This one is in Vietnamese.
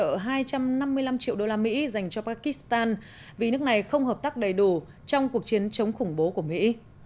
hỗ trợ hai trăm năm mươi năm triệu đô la mỹ dành cho pakistan vì nước này không hợp tác đầy đủ trong cuộc chiến chống khủng bố của mỹ